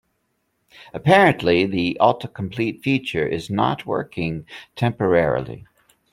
Apparently, the autocomplete feature is not working temporarily.